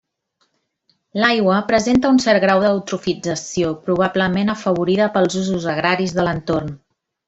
L'aigua presenta un cert grau d'eutrofització, probablement afavorida pels usos agraris de l'entorn.